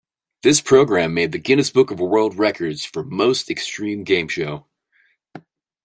This program made the "Guinness Book of World Records" for "Most Extreme Game Show".